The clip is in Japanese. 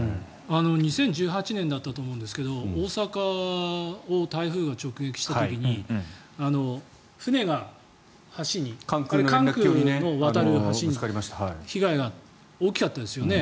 ２０１８年だったと思うんですけど大阪を台風が直撃した時に船が橋に、関空を渡る橋に被害が大きかったですよね。